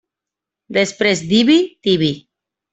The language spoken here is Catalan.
Després d'Ibi, Tibi.